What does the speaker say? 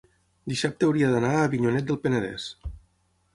dissabte hauria d'anar a Avinyonet del Penedès.